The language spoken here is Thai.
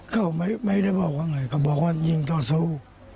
เขาไม่ได้บอกว่าไงเขาบอกว่ายิงต่อสู้